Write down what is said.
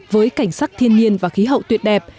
với cảnh sắc thiên nhiên và khí hậu tuyệt đẹp